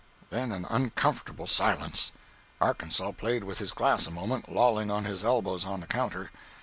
Then an uncomfortable silence. Arkansas played with his glass a moment, lolling on his elbows on the counter.